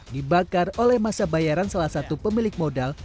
dibakar oleh masa bayaran salah satu pemilik modal